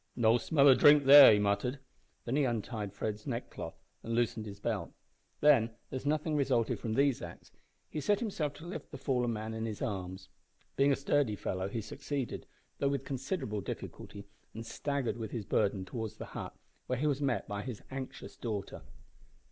"No smell o' drink there," he muttered. Then he untied Fred's neckcloth and loosened his belt. Then, as nothing resulted from these acts, he set himself to lift the fallen man in his arms. Being a sturdy fellow he succeeded, though with considerable difficulty, and staggered with his burden towards the hut, where he was met by his anxious daughter.